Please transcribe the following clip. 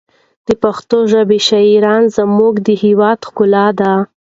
د پښتو ژبې شاعري زموږ د هېواد ښکلا ده.